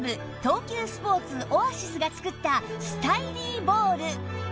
東急スポーツオアシスが作ったスタイリーボール